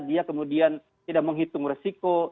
dia kemudian tidak menghitung resiko